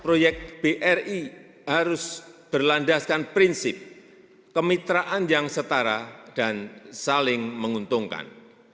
proyek bri harus berlandaskan prinsip kemitraan yang setara dan saling menguntungkan